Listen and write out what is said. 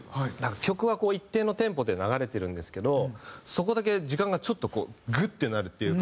曲はこう一定のテンポで流れてるんですけどそこだけ時間がちょっとこうグッてなるっていうか。